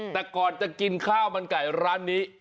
แต่ก่อนจะกินข้าวมันไก่ร้านนี้